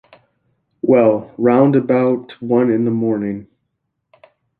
Well, round about one in the morning.